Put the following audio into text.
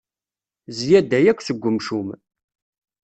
Zzyada akk seg umcum.